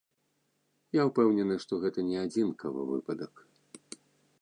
Я ўпэўнены, што гэта не адзінкавы выпадак.